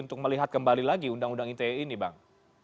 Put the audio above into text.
untuk melihat kembali lagi undang undang ite ini bang